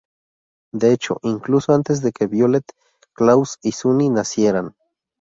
De hecho, incluso antes de que Violet, Klaus y Sunny nacieran.